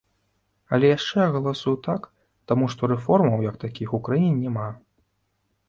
Але яшчэ я галасую так, таму што рэформаў, як такіх, у краіне няма.